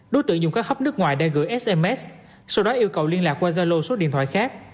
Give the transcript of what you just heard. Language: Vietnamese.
đối tượng dùng các hấp nước ngoài đang gửi sms sau đó yêu cầu liên lạc qua gia lô số điện thoại khác